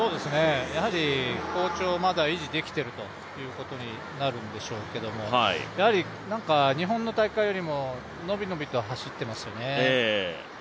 やはり好調をまだ維持できているということになるんでしょうけれどもやはり、日本の大会よりも伸び伸びと走っていますよね。